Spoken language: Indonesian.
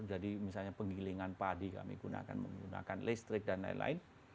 jadi misalnya penggilingan padi kami gunakan menggunakan listrik dan lain lain